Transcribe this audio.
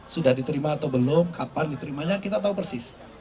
sudah diterima atau belum kapan diterimanya kita tahu persis